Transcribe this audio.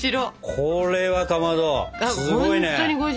これはかまどすごいね。